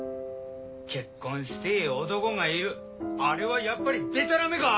結婚してえ男がいるあれはやっぱりデタラメか！？